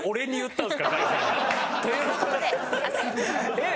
えっ？